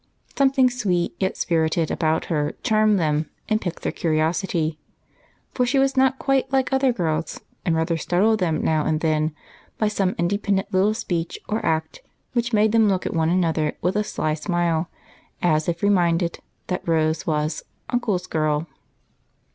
Something sweet yet spirited about her charmed them and piqued their curiosity, for she was not quite like other girls, and rather startled them now and then by some independent little speech or act which made them look at one another with a sly smile, as if reminded that Rose was "Uncle's girl."